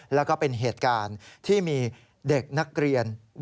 แล้วก็เป็นเหตุการณ์ที่มีเด็กนักเรียน